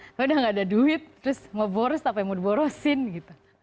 tapi udah gak ada duit terus mau boros tapi mau diborosin gitu